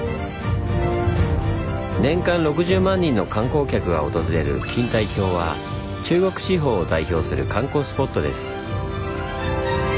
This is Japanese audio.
年間６０万人の観光客が訪れる「錦帯橋」は中国地方を代表する観光スポットです。